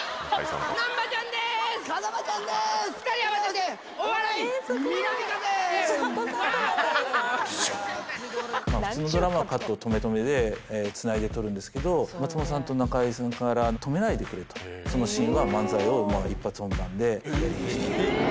普通のドラマっていうのは、カットを止めて、つないで撮るんですけど、松本さんと中居さんから、止めないでくれと、そのシーンは漫才を、一発本番でやりまし